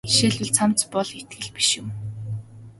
Жишээлбэл цамц бол итгэл биш юм.